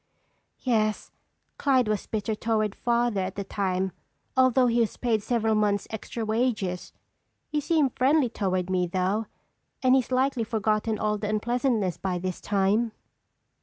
"Yes, Clyde was bitter toward Father at the time although he was paid several month's extra wages. He seemed friendly toward me though and he's likely forgotten all the unpleasantness by this time."